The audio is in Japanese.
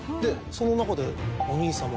その中で。